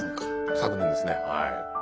昨年ですねはい。